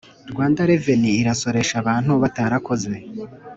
Rwanda revenue irasoresha abantu batarakoze